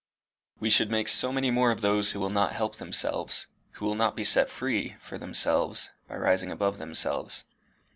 We should make so many more of those who will not help themselves who will not be set free from themselves by rising above themselves.